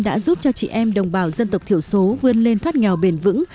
đã giúp cho chị em đồng bào dân tộc thiểu số vươn lên thoát nghèo bền vững